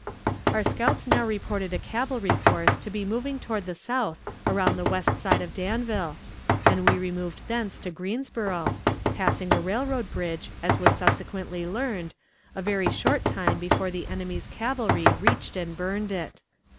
Our scouts now reported a cavalry force to be moving toward the south around the west side of Danville, and we removed thence to Greensboro, passing a railroad bridge, as was subsequently learned, a very short time before the enemy's cavalry reached and burned it.